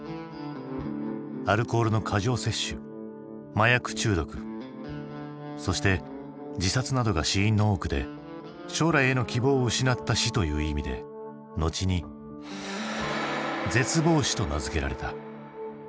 アルコールの過剰摂取麻薬中毒そして自殺などが死因の多くで「将来への希望を失った死」という意味で後に「絶望死」と名付けられた。